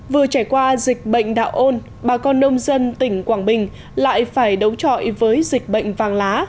vừa trải qua dịch bệnh đạo ôn bà con nông dân tỉnh quảng bình lại phải đấu trọi với dịch bệnh vàng lá